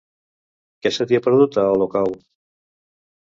Què se t'hi ha perdut, a Olocau?